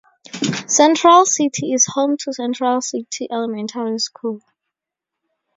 Central City is home to Central City Elementary School.